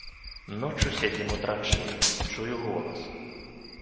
Ноччу сядзім у траншэі, чую голас.